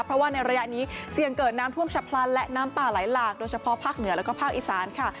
เพราะว่าในระยะนี้เสี่ยงเกิดน้ำท่วมฉับพลันและน้ำป่าไหลหลากโดยเฉพาะภาคเหนือแล้วก็ภาคอีสานค่ะ